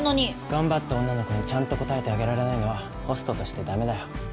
頑張った女の子にちゃんと応えてあげられないのはホストとしてダメだよ。